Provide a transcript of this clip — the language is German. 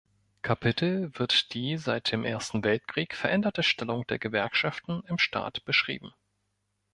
Kapitel wird die seit dem Ersten Weltkrieg veränderte Stellung der Gewerkschaften im Staat beschrieben.